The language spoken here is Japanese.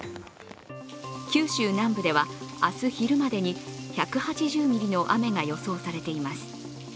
九州南部では明日昼までに１８０ミリの雨が予想されています。